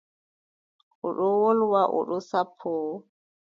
O ɗon wolwa o ɗon sappoo.